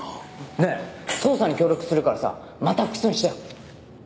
ねえ捜査に協力するからさまた不起訴にしてよ。